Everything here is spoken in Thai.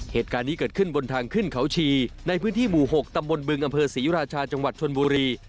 เหตุการณ์นี้เกิดขึ้นบนทางขึ้นเขาชีในพื้นที่หมู่๖ตำบลบึงอำเภอศรีราชาจังหวัดชนบุรี